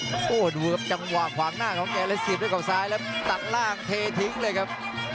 โอ้โหดูครับจังหวะขวางหน้าของแกเลยเสียบด้วยเขาซ้ายแล้วตัดล่างเททิ้งเลยครับ